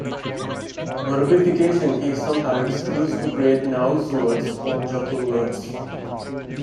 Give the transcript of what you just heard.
Verbification is sometimes used to create nonce words or joking words.